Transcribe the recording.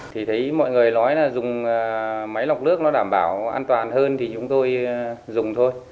thì thấy mọi người nói là dùng máy lọc nước nó đảm bảo an toàn hơn thì chúng tôi dùng thôi